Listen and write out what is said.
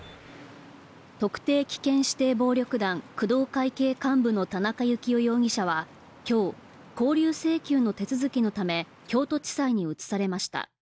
特定危険指定暴力団工藤会系幹部の田中幸雄容疑者は今日、勾留請求の手続きのため京都地裁に移されました。